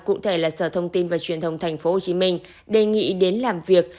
cụ thể là sở thông tin và truyền thông tp hcm đề nghị đến làm việc